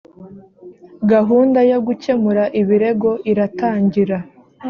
gahunda yo gukemura ibirego iratangira